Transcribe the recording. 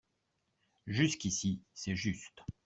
Jusqu’ici, c’est juste